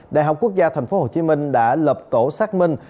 đại học quốc gia tp hcm đã lập tổ xác minh